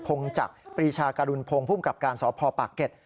งจักรปรีชาการุณพงศ์ภูมิกับการสพปากเก็ต